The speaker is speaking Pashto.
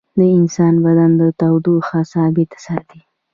د انسان بدن تودوخه ثابته ساتي